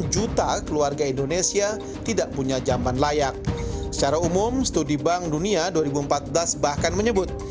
satu juta keluarga indonesia tidak punya jamban layak secara umum studi bank dunia dua ribu empat belas bahkan menyebut